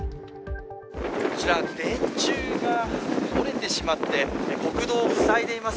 こちら、電柱が折れてしまって国道を塞いでいます。